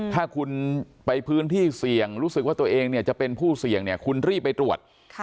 ถ้าคุณไปพื้นที่เสี่ยงรู้สึกว่าตัวเองจะเป็นผู้เสี่ยงเนี่ยคุณรีบไปตรวจ